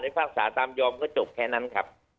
พากษาตามยอมก็จบแค่นั้นครับ